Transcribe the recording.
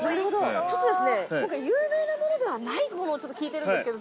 ちょっと今回有名なものではないものを聞いてるんですけど。